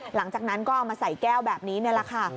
หลังจากนั้นก็เอามาใส่แก้วแบบนี้นี่แหละค่ะ